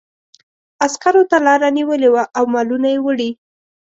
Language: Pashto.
عسکرو ته لاره نیولې وه او مالونه یې وړي.